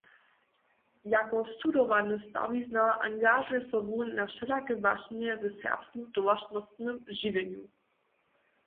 Jako studowany stawiznar angažuje so wón na wšelake wašnje w serbskim towaršnostnym žiwjenju.